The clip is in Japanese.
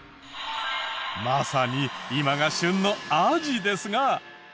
まさに今が旬のアジですが。